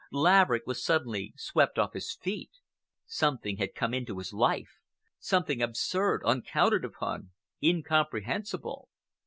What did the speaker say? Laverick was suddenly swept off his feet. Something had come into his life—something absurd, uncounted upon, incomprehensible.